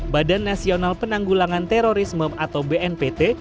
badan nasional penanggulangan terorisme atau bnpt